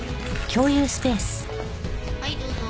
はいどうぞ。